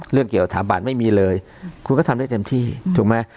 เรื่องเกี่ยวสถาบันไม่มีเลยคุณก็ทำได้เต็มที่ถูกไหม